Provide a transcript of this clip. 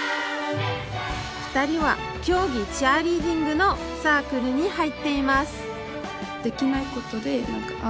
２人は競技チアリーディングのサークルに入っています